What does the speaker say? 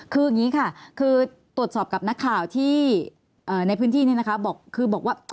คืออย่างนี้ค่ะจากตรวจสอบกับนักข่าวในพื้นที่นี้บอกว่า